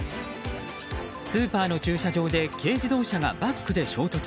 スーパーの駐車場で軽自動車がバックで衝突。